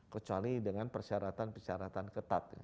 kecuali dengan persyaratan persyaratan ketat